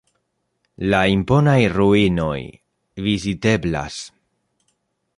La imponaj ruinoj viziteblas.